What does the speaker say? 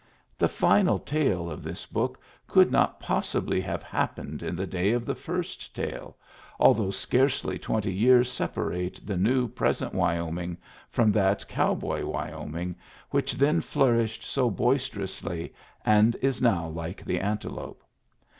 The final tale in this book could not possibly have happened in the day of the first tale, although scarcely twenty years separate the new, present Wyoming from that cow boy Wyoming which then flourished so boisterously, and is now like the antelope.